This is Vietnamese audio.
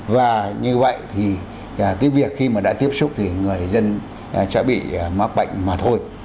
và như vậy thì cái việc khi mà đã tiếp xúc thì người dân sẽ bị mắc bệnh mà thôi